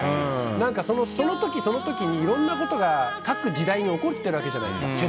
その時、その時にいろんなことが各時代に起こっているわけじゃないですか。